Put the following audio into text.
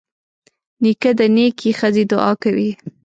نیکه د نیکې ښځې دعا کوي.